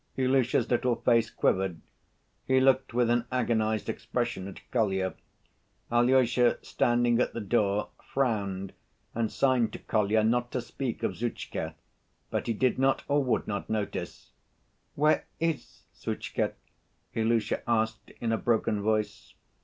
Ilusha's little face quivered. He looked with an agonized expression at Kolya. Alyosha, standing at the door, frowned and signed to Kolya not to speak of Zhutchka, but he did not or would not notice. "Where ... is Zhutchka?" Ilusha asked in a broken voice.